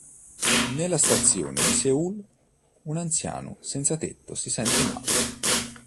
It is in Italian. Nella stazione di Seul, un anziano senzatetto si sente male.